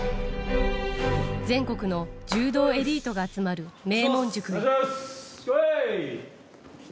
全国の柔道エリートが集まる名門塾へ。